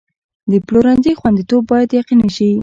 د پلورنځي خوندیتوب باید یقیني شي.